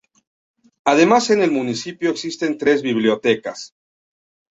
Además en el municipio existen tres bibliotecas.